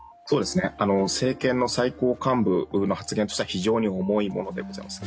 政権の最高幹部の発言としては非常に重いものでございます。